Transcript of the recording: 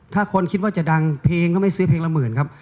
ถ้าคนคิดว่าจะดังเพลงก็ไม่ซื้อเพลงละหมื่นครับ